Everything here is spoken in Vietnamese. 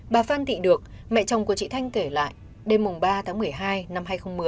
bà phan thị được mẹ chồng của chị thanh kể lại đêm ba tháng một mươi hai năm hai nghìn một mươi